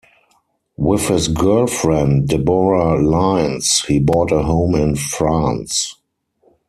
With his girlfriend Deborah Lines, he bought a home in France.